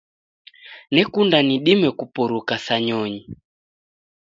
Nekunda nidime kupuruka sa nyonyi